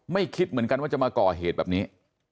คิดเหมือนกันว่าจะมาก่อเหตุแบบนี้